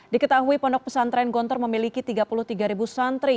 diketahui pondok pesantren gontor memiliki tiga puluh tiga santri